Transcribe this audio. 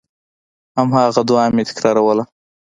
هماغه دعا مې تکراروله.